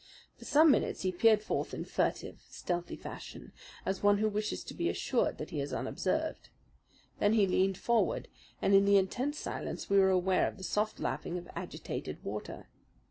For some minutes he peered forth in furtive, stealthy fashion, as one who wishes to be assured that he is unobserved. Then he leaned forward, and in the intense silence we were aware of the soft lapping of agitated water.